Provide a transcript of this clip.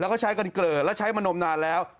แล้วก็ใช้กันเกลอแล้วใช้มานมนานแล้ว